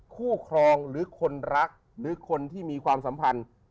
ครองหรือคนรักหรือคนที่มีความสัมพันธ์